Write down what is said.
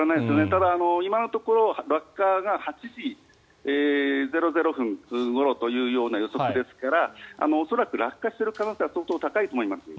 ただ、今のところ落下が８時００分ごろという予測ですから恐らく落下している可能性は相当高いと思います。